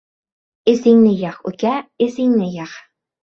— Esingni yig‘, uka, esingni yig‘!